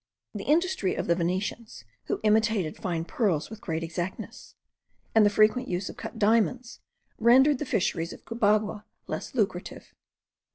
The industry of the Venetians, who imitated fine pearls with great exactness, and the frequent use of cut diamonds,* rendered the fisheries of Cubagua less lucrative.